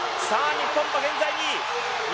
日本も現在２位。